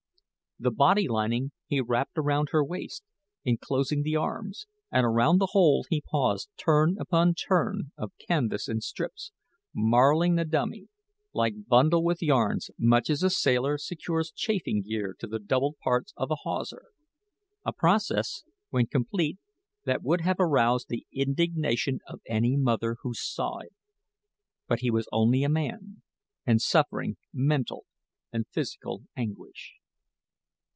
The body lining he wrapped around her waist, inclosing the arms, and around the whole he passed turn upon turn of canvas in strips, marling the mummy like bundle with yarns, much as a sailor secures chafing gear to the doubled parts of a hawser a process when complete, that would have aroused the indignation of any mother who saw it. But he was only a man, and suffering mental and physical anguish.